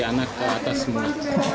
anak ke atas semua